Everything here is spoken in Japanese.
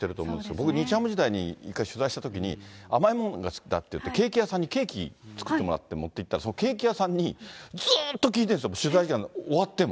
僕、日ハム時代に１回取材したときに甘いもんが好きだって言って、ケーキ屋さんにケーキ作ってもらって持っていったら、そのケーキ屋さんにずっと聞いてるんですよ、取材時間が終わっても。